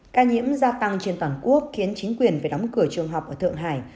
ca nhiễm gia tăng trên toàn quốc khiến chính quyền phải đóng cửa trường học ở thượng hải